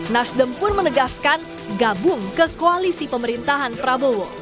nasdem pun menegaskan gabung ke koalisi pemerintahan prabowo